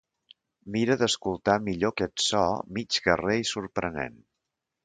Mira d'escoltar millor aquest so mig guerrer i sorprenent.